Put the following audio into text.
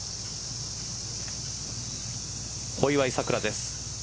小祝さくらです。